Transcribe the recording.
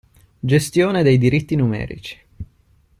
Gestione dei diritti numerici.